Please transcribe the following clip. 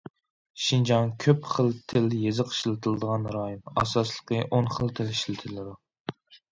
شىنجاڭ كۆپ خىل تىل- يېزىق ئىشلىتىلىدىغان رايون، ئاساسلىقى ئون خىل تىل ئىشلىتىلىدۇ.